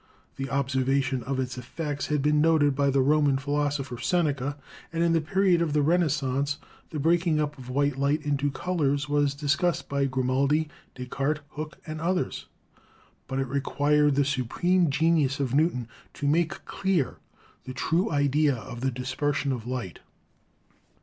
The observation of its effects had been noted by the Roman philosopher Seneca, and in the period of the Renaissance the breaking up of white light into colors was discussed by Grimaldi, Descartes, Hooke and others. But it re quired the supreme genius of Newton to make clear the true idea of the dispersion of light.